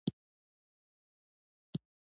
د سفارتونو له لاري ډيپلوماسي ترسره کېږي.